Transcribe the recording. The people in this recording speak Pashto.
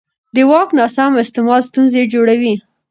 د واک ناسم استعمال ستونزې جوړوي